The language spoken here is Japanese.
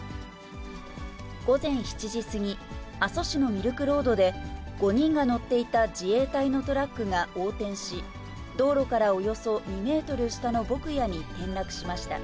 午前７時過ぎ、阿蘇市のミルクロードで、５人が乗っていた自衛隊のトラックが横転し、道路からおよそ２メートル下の牧野に転落しました。